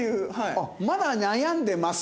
あっ「まだ悩んでます」。